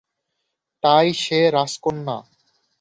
তাই সে রাজকন্যা।